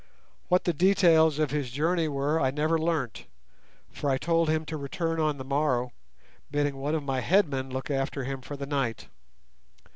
What the details of his journey were I never learnt, for I told him to return on the morrow, bidding one of my headmen look after him for the night.